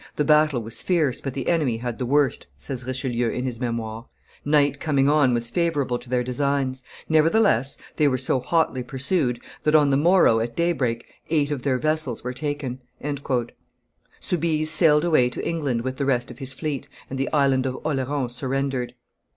"The battle was fierce, but the enemy had the worst," says Richelieu in his Memoires: "night coming on was favorable to their designs; nevertheless, they were so hotly pursued, that on the morrow, at daybreak, eight of their vessels were taken." Soubise sailed away to England with the rest of his fleet, and the Island of Oleron surrendered.